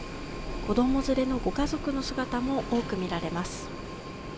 子ども連れのご家族の姿も多く見られます。